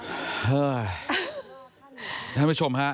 เฮ้ยท่านผู้ชมฮะ